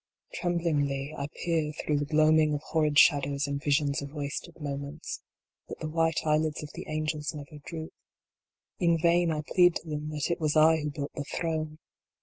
Tremblingly I peer through the gloaming of horrid shadows, and visions of wasted moments. But the white eyelids of the angels never droop. In vain I plead to them that it was I who built the throne.